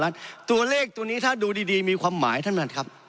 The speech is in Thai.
๗แสนตีตมกลม